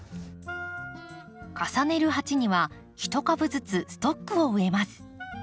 重ねる鉢には一株ずつストックを植えます。